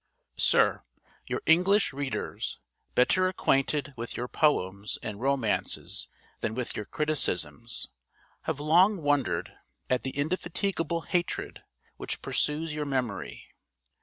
Sir, Your English readers, better acquainted with your poems and romances than with your criticisms, have long wondered at the indefatigable hatred which pursues your memory.